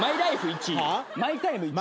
１「マイタイム」１。